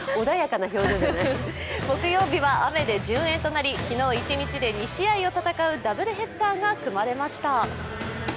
木曜日は雨で順延となり昨日１日で２試合を戦うダブルヘッダーが組まれました。